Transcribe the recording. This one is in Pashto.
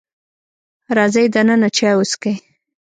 راځئ دننه چای وسکئ.